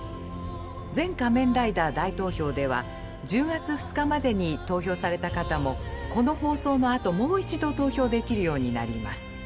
「全仮面ライダー大投票」では１０月２日までに投票された方もこの放送のあともう一度投票できるようになります。